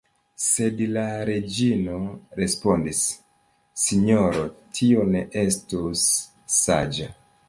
Sed la reĝino respondis: Sinjoro, tio ne estus saĝa.